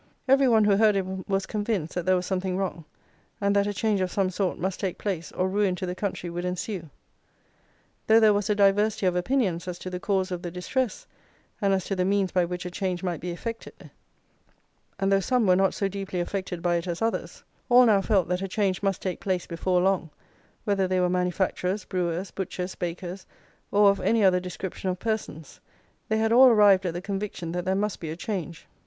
Every one who heard him was convinced that there was something wrong, and that a change of some sort must take place, or ruin to the country would ensue. Though there was a diversity of opinions as to the cause of the distress, and as to the means by which a change might be effected, and though some were not so deeply affected by it as others, all now felt that a change must take place before long, whether they were manufacturers, brewers, butchers, bakers, or of any other description of persons, they had all arrived at the conviction that there must be a change.